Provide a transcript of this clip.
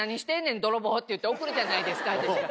って言って送るじゃないですか私が。